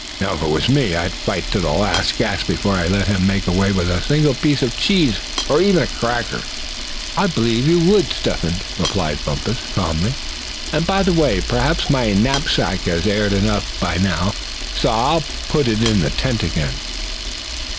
Now, if it was me, I'd fight to the last gasp before I'd let him make way with a single piece of cheese, or even a cracker." "I believe you would, Step hen," replied Bumpus, calmly; "and by the way, perhaps my knapsack has aired enough by now, so I'll put it in the tent again."